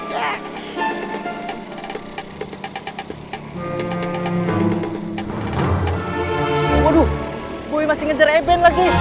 waduh gue masih ngejar eben lagi